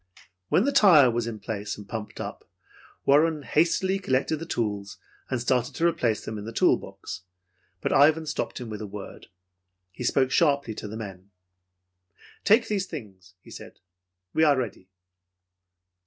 When the tire was in place and pumped up, Warren hastily collected the tools and started to replace them in the tool box but Ivan stopped him with a word. He spoke sharply to the men. "Take these things," he said. "We are ready!"